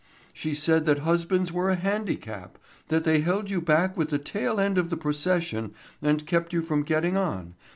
She said that husbands were a handicap—that they held you back with the tail end of the procession and kept you from getting on.